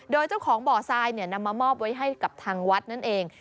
โดยเจ้าของบ่อทรายนำมามอบไว้ให้กับทางวัดนั่นเอง